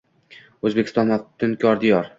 O‘zbekiston – maftunkor diyor